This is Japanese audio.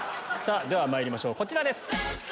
ではまいりましょうこちらです！